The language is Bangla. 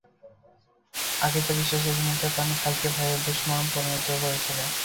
আকীদা-বিশ্বাসের ভিন্নতার কারণে ভাইকে ভাইয়ের দুশমনে পরিণত করেছিল।